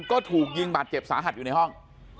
ก็ถูกยิงบาดเจ็บสาหัสอยู่ในห้อง